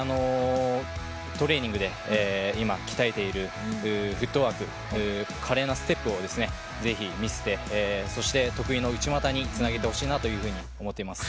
トレーニングで今、鍛えているフットワーク華麗なステップを、ぜひ見せてそして得意の内股につなげてほしいいなと思います。